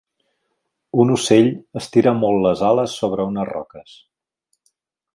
Un ocell estira molt les ales sobre unes roques.